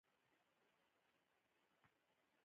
هغه بايد موږ ته بله خبره هم ويلي وای.